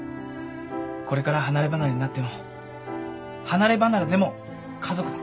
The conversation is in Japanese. これから離れ離れになっても離れ離れでも家族だ。